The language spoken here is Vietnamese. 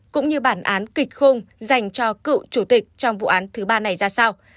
cũng như bản án kịch khung dành cho cựu chủ tịch trong vụ án thứ ba này ra sao